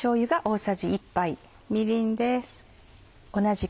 みりんです。